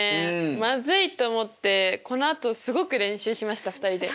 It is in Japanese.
「まずい！」と思ってこのあとすごく練習しました２人で。